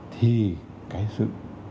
thì cái sự